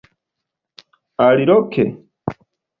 Aliloke?